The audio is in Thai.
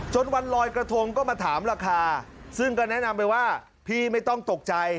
วันลอยกระทงก็มาถามราคาซึ่งก็แนะนำไปว่าพี่ไม่ต้องตกใจ